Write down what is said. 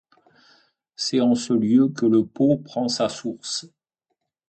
C'est en ce lieu que le Pô prend sa source.